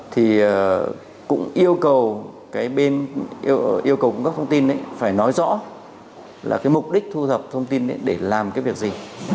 thì cũng yêu cầu cung cấp thông tin phải nói rõ là cái mục đích thu thập thông tin để làm cái việc gì